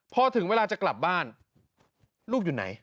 พอถึงเวลาจะกลับบ้านลูกอยู่ไหน